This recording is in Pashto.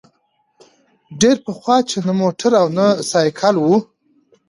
ډېر پخوا چي نه موټر او نه سایکل وو